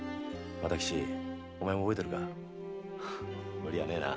無理はねえな。